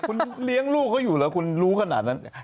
คุณเลี้ยงลูกเขาอยู่เหรอคุณรู้ขนาดนั้น